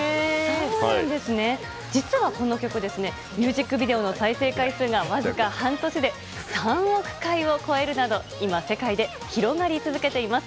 実は、この曲ミュージックビデオの再生回数がわずか半年で３億回を超えるなど今、世界で広がり続けています。